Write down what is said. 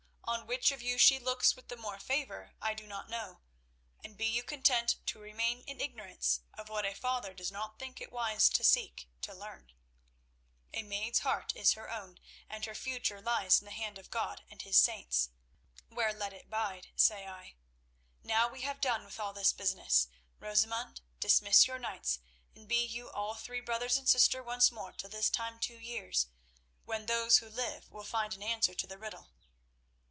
On which of you she looks with the more favour I do not know, and be you content to remain in ignorance of what a father does not think it wise to seek to learn. A maid's heart is her own, and her future lies in the hand of God and His saints, where let it bide, say I. Now we have done with all this business. Rosamund, dismiss your knights, and be you all three brothers and sister once more till this time two years, when those who live will find an answer to the riddle."